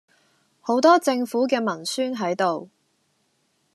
好多政府既文宣係度